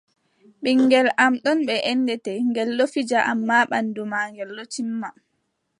Ɓinngel am ɗon bee enʼente, ngel ɗon fija ammaa ɓanndu maagel ɗon timma.